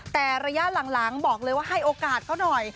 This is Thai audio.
แต่ระยะหลังบอกเลยว่าให้โอกาสเขาหน่อย